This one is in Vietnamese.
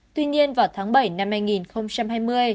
tuy nhiên vào tháng bảy năm hai nghìn hai mươi